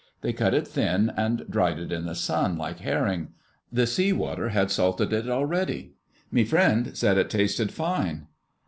They cut it thin and dried it in the sun, like herring. The sea water had salted it already. Me friend said it tasted fine."